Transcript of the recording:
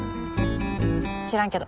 知らんけど。